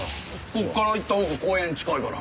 こっから行った方が公園近いから。